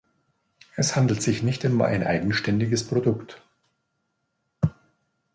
Es handelt sich nicht um ein eigenständiges Produkt.